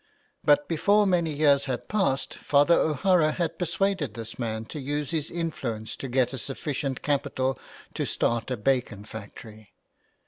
But before many years had passed Father O'Hara had persuaded this man to use his influence to get a sufficient capital to start a bacon factory.